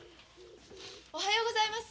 ・おはようございます！